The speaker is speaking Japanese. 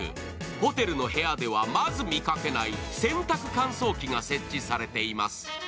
ホテルの部屋ではまず見かけない洗濯乾燥機が設置されています。